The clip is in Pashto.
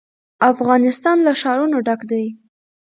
افغانستان له ښارونه ډک دی.